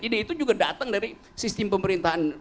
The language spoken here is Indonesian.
ide itu juga datang dari sistem pemerintahan